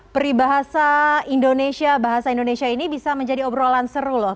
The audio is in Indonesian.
peribahasa indonesia bahasa indonesia ini bisa menjadi obrolan seru loh